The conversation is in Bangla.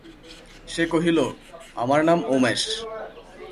সে কহিল, আমার নাম উমেশ।